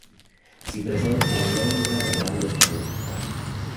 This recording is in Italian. Si presenta a Londra da grande favorita.